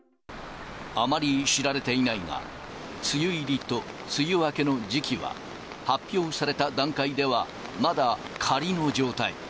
あまり知られていないが、梅雨入りと梅雨明けの時期は、発表された段階では、まだ仮の状態。